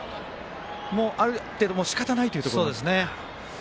ある程度、しかたないというところですか。